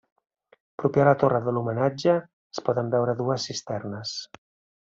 Proper a la torre de l'homenatge es poden veure dues cisternes.